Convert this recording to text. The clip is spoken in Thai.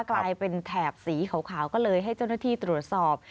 กลายเป็นแถบสีขาวก็เลยให้เจ้าหน้าที่ตรวจสอบ